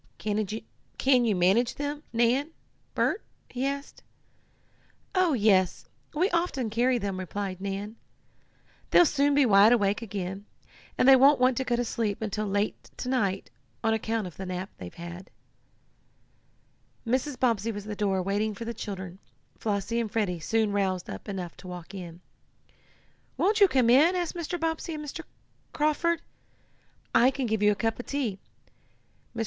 Can you manage them, Nan Bert?" he asked. "Oh, yes, we often carry them," replied Nan. "They'll soon be wide awake again, and they won't want to go to sleep until late to night, on account of the nap they've had." Mrs. Bobbsey was at the door waiting for the children Flossie and Freddie soon roused up enough to walk in. "Won't you come in?" asked Mrs. Bobbsey of Mr. Carford. "I can give you a cup of tea. Mr.